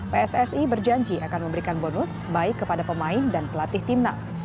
pssi berjanji akan memberikan bonus baik kepada pemain dan pelatih timnas